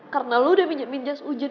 karena lo udah minyak minyak seujet